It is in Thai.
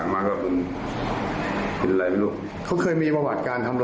ไม่มีครับ